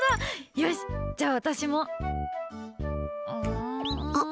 よし、じゃあ私もっ！